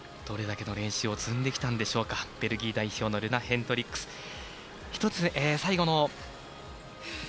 どれだけの練習を積んできたんでしょうかベルギー代表のルナ・ヘンドリックス。